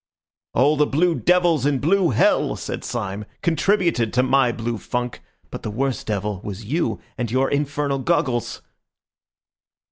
"All the blue devils in blue hell," said Syme, "contributed to my blue funk! But the worst devil was you and your infernal goggles."